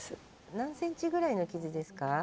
何センチぐらいの傷ですか？